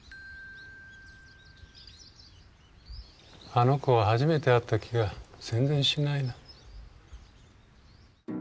あの子は初めて会った気が全然しないな。